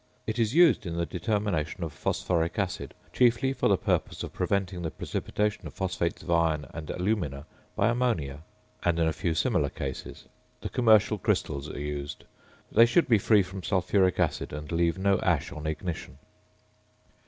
It is used in the determination of phosphoric acid, chiefly for the purpose of preventing the precipitation of phosphates of iron and alumina by ammonia, and in a few similar cases. The commercial crystals are used; they should be free from sulphuric acid and leave no ash on ignition.